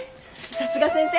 さすが先生。